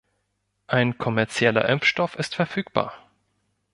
Ein kommerzieller Impfstoff ist verfügbar.